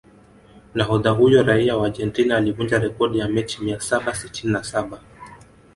Nahodha huyo raia wa Argentina alivunja rekodi ya mechi mia saba sitini na saba